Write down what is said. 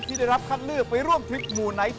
ที่ได้รับคัดเลือกไปร่วมทริปหมู่ไหน